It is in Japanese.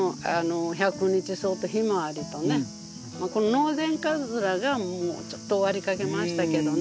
ノウゼンカズラがもうちょっと終わりかけましたけどね。